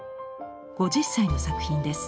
５０歳の作品です。